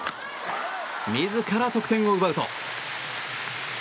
自ら得点を奪うと。